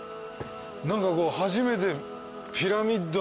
何かこう初めて。